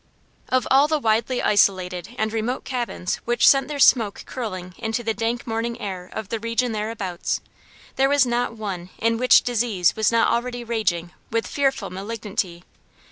Of all the widely isolated and remote cabins which sent their smoke curling into the dank morning air of the region thereabouts, there was not one in which disease was not already raging with fearful malignity.